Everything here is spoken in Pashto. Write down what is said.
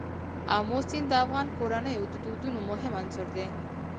آمو سیند د افغان کورنیو د دودونو مهم عنصر دی.